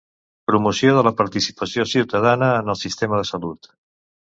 Promoció de la participació ciutadana en el sistema de salut.